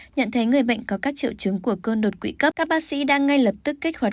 nhận thấy người bệnh có các triệu chứng của cơn đột quỵ cấp các bác sĩ đang ngay lập tức kích hoạt